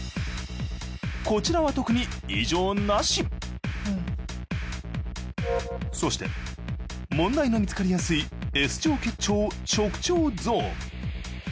こちらは特に異常なしそして問題の見つかりやすいＳ状結腸直腸ゾーン。